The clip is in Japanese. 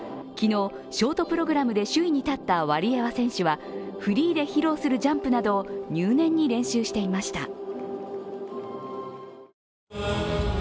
昨日、ショートプログラムで首位に立ったワリエワ選手はフリーで披露するジャンプなどを入念に練習していました。